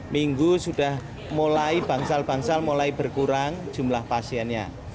minggu sudah mulai bangsal bangsal mulai berkurang jumlah pasiennya